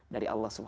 dari allah swt